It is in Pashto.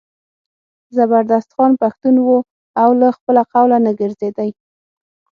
زبردست خان پښتون و له خپله قوله نه ګرځېدی.